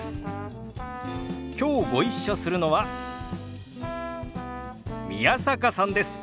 きょうご一緒するのは宮坂さんです。